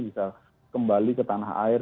bisa kembali ke tanah air